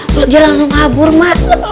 terus dia langsung kabur mak